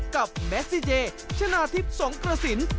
กับเมซิเจชนะทิพย์สงกระสิน